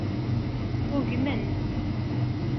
Ugmen-d.